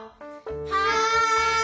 はい！